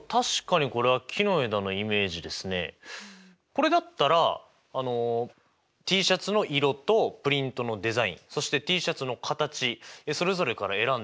これだったらＴシャツの色とプリントのデザインそしてＴシャツの形それぞれから選んで数えられそうですね。